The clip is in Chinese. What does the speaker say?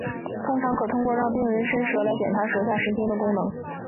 通常可通过让病人伸舌来检查舌下神经的功能。